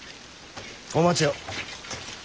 お待ちを。